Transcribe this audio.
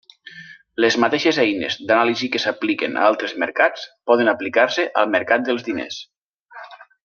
Les mateixes eines d'anàlisi que s'apliquen a altres mercats poden aplicar-se al mercat dels diners.